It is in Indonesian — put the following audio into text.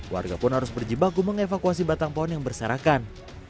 warga pun harus berjibaku mengevakuasi batang pohon yang berserakan